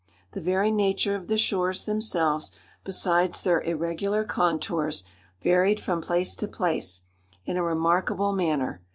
The very nature of the shores themselves, besides their irregular contours, varied from place to place in a remarkable manner.